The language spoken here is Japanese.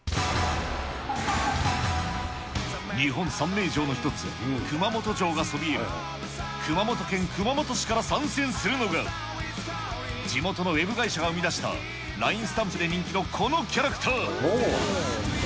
日本三名城の一つ、熊本城がそびえる熊本県熊本市から参戦するのが、地元のウェブ会社が生み出した、ＬＩＮＥスタンプで人気のこのキャラクター。